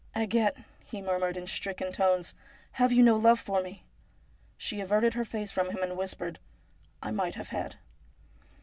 'Agathe,' he murmured in stricken tones, 'have you no love for me ?' She averted her face from him, and whispered :' I might have had.'